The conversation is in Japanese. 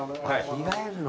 着替えるの。